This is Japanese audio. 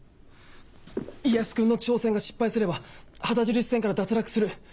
家康君の挑戦が失敗すれば旗印戦から脱落する。